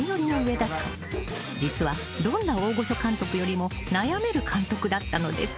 ［実はどんな大御所監督よりも悩める監督だったのです］